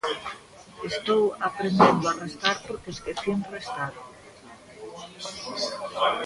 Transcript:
Estou aprendendo a restar porque esquecín restar.